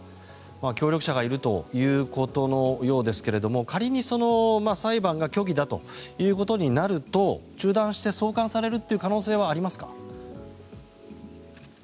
協力者がいるということのようですが仮に裁判が虚偽だとなると中断して送還されるという可能性はありますか？